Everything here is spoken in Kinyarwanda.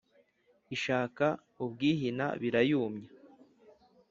Ishaka ubwihina birayumya: